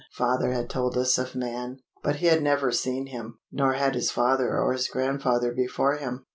Father had told us of man, but he had never seen him; nor had his father or his grandfather before him.